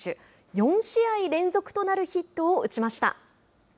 ４試合連続となるヒットを打ちました。